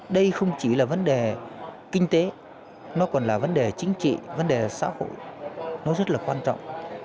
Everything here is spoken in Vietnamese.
đây không chỉ là vấn đề kinh tế nó còn là vấn đề chính trị vấn đề xã hội nó rất là quan trọng